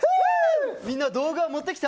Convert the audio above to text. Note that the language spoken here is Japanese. みんな道具は持ってきた？